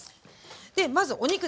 でまずお肉ですね。